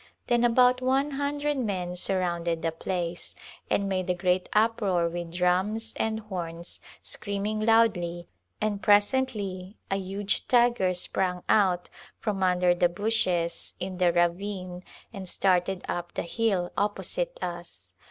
Then about one hundred men surrounded the place and made a great uproar with drums and horns, screaming loudly, and presently a huge tiger sprang out from under the bushes in the ra vine and started up the hill opposite us.